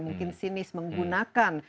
mungkin sinis menggunakan